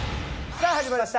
さぁ始まりました。